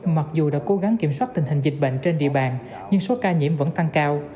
mặc dù đã cố gắng kiểm soát tình hình dịch bệnh trên địa bàn nhưng số ca nhiễm vẫn tăng cao